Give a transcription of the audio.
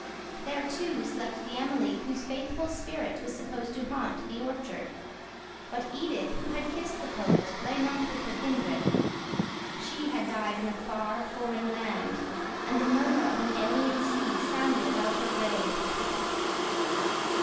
There, too, slept the Emily whose faithful spirit was supposed to haunt the orchard; but Edith who had kissed the poet lay not with her kindred. She had died in a far, foreign land, and the murmur of an alien sea sounded about her grave.